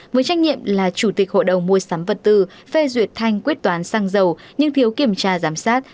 với trách nhiệm là chủ tịch hội đồng mua sắm vật tư phê duyệt thanh quyết toán sang dầu nhưng thiếu kiểm tra giám sát